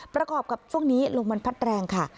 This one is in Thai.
ประกอบกับช่วงนี้ลมมันพัดแรงค่ะ